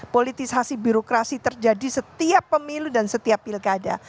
politisasi birokrasi terjadi setiap pemilu dan setiap pilkada